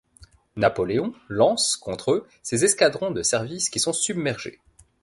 Napoléon lance contre eux ses escadrons de service qui sont submergés.